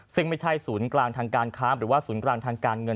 ซึ่งไม่ใช่ศูนย์กลางทางการค้าหรือว่าศูนย์กลางทางการเงิน